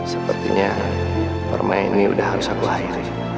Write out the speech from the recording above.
sepertinya permainan ini udah harus aku airin